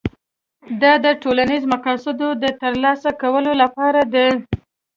دا د ټولنیزو مقاصدو د ترلاسه کولو لپاره دي.